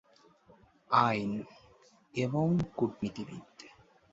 আইন, এবং কূটনীতিবিদ।